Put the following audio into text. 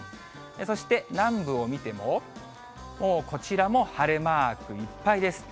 そして、南部を見ても、もうこちらも晴れマークいっぱいです。